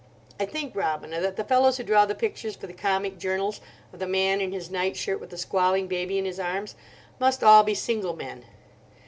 I think, Robina, that the fellows who draw the pictures for the comic journals of the man in his night shirt with the squalling baby in his arms must all be single men.